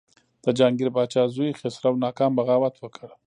د جهانګیر پاچا زوی خسرو ناکام بغاوت وکړ.